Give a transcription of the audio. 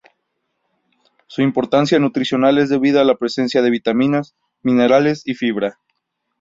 Su importancia nutricional es debida a la presencia de vitaminas, minerales y fibra.